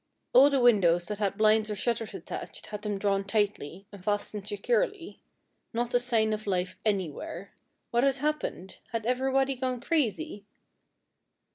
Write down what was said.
All the windows that had blinds or shutters attached had them drawn tightly, and fastened securely. Not a sign of life anywhere. What had happened? Had everybody gone crazy?